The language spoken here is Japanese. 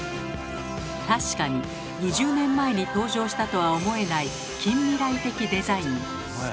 確かに２０年前に登場したとは思えない近未来的デザイン。